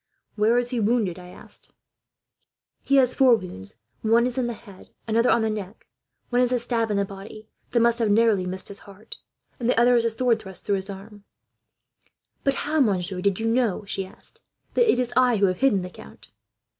"'Where is he wounded?' I asked. "'He has four wounds. One is on the head; another on the neck; one is a stab in the body, that must have narrowly missed his heart; and the other is a sword thrust, through his arm. "'But how, monsieur, did you know,' she asked, 'that it is I who have hidden the count?'